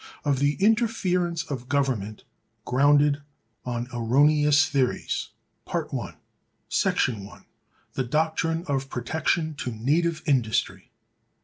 Of An Interference Of Government Grounded On Erroneous Theories. § 1. The doctrine of Protection to Native Industry.